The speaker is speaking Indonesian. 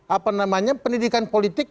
apa namanya pendidikan politik